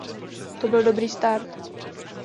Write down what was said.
To byl dobrý start.